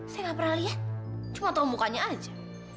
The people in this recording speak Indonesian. saya gak pernah lihat cuma tahu mukanya aja